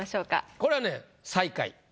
これはね最下位。